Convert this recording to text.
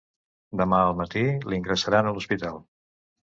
Demà al matí l'ingressaran a l'hospital.